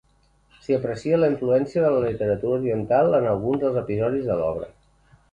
S'hi aprecia la influència de la literatura oriental en alguns dels episodis de l'obra.